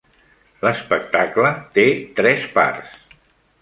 L'espectacle té tres parts.